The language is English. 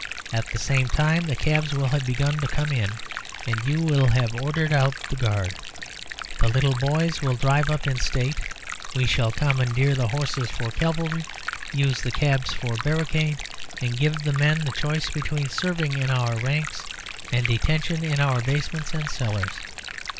At the same time the cabs will have begun to come in, you will have ordered out the guard, the little boys will drive up in state, we shall commandeer the horses for cavalry, use the cabs for barricade, and give the men the choice between serving in our ranks and detention in our basements and cellars.